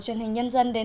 thân ái chào tạm biệt